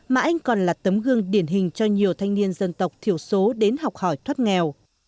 đặt tấm gương điển hình cho nhiều thanh niên dân tộc thiểu số đến học hỏi thoát nghèo